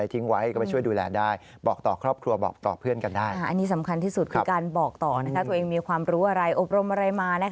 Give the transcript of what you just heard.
ที่สุดคือการบอกต่อตัวเองมีความรู้อะไรอบรมอะไรมา